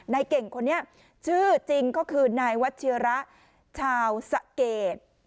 เก่งคนนี้ชื่อจริงก็คือนายวัชิระชาวสะเกด